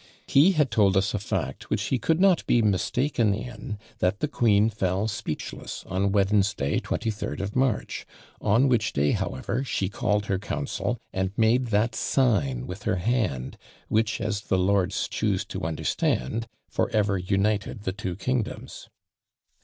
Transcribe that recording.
He had told us a fact which he could not be mistaken in, that the queen fell speechless on Wednesday, 23rd of March, on which day, however, she called her council, and made that sign with her hand, which, as the lords choose to understand, for ever united the two kingdoms.